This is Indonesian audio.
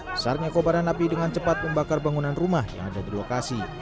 besarnya kobaran api dengan cepat membakar bangunan rumah yang ada di lokasi